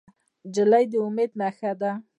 نجلۍ د امید نښه ده.